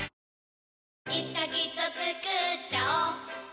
いつかきっとつくっちゃおう